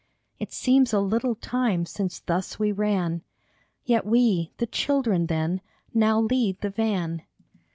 It seems a little time since thus we ran, Yet we, the children then, now lead the van.